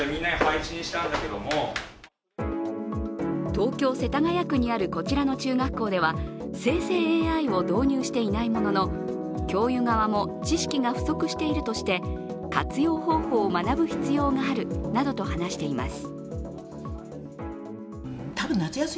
東京・世田谷区にあるこちらの中学校では、生成ＡＩを導入していないものの教諭側も知識が不足しているとして活用方法を学ぶ必要があるなどと話しています。